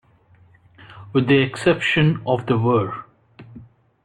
With the exception of the Ver.